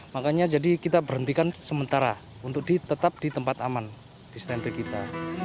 makanya jadi kita berhentikan sementara untuk tetap di tempat aman di standar kita